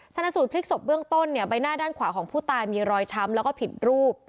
ชนะสูตรพลิกศพเบื้องต้นเนี่ยใบหน้าด้านขวาของผู้ตายมีรอยช้ำแล้วก็ผิดรูป